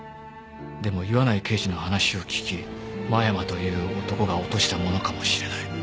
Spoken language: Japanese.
でも岩内刑事の話を聞き間山という男が落としたものかもしれない。